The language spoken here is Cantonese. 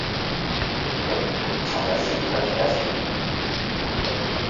個軟件尋日閃退咗一次